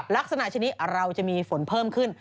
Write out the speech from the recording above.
ลักษณะชนิดเราจะมีฝนเพิ่มขึ้น